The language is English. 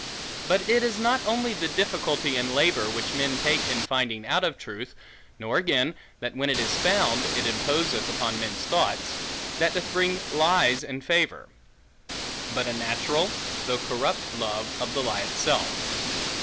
But it is not only the difficulty and labor, which men take in finding out of truth, nor again, that when it is found, it imposeth upon men's thoughts, that doth bring lies in favor; but a natural, though corrupt love, of the lie itself.